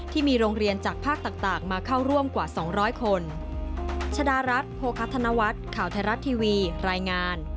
ที่มีโรงเรียนจากภาคต่างมาเข้าร่วมกว่า๒๐๐คน